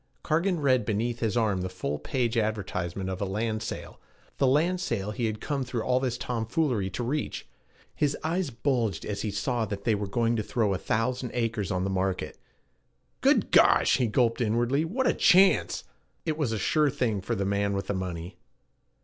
Cargan read beneath his arm the full page advertisement of a land sale the land sale he had come through all this tomfoolery to reach. His eyes bulged as he saw that they were going to throw a thousand acres on the market. 'Good gosh,' he gulped inwardly, 'what a chance!' It was a sure thing for the man with the money.